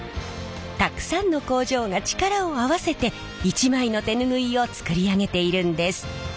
たくさんの工場が力を合わせて一枚の手ぬぐいを作り上げているんです。